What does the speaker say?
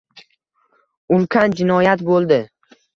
ulkan jinoyat bo‘ldi.